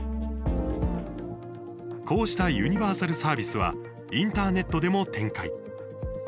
こうしたユニバーサルサービスはインターネットでも展開。